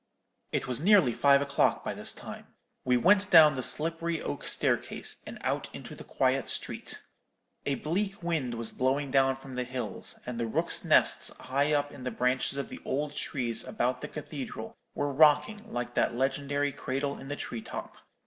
"It was nearly five o'clock by this time. We went down the slippery oak staircase, and out into the quiet street. A bleak wind was blowing down from the hills, and the rooks' nests high up in the branches of the old trees about the cathedral were rocking like that legendary cradle in the tree top.